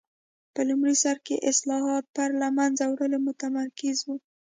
په لومړي سر کې اصلاحات پر له منځه وړلو متمرکز و.